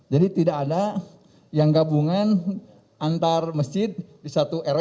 jadi tidak ada yang gabungan antar masjid di satu rw